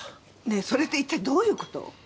ねえそれって一体どういう事？